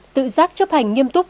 tự giác chấp hành nghiêm túc